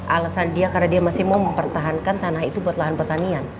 alasan dia karena dia masih mau mempertahankan tanah itu buat lahan pertanian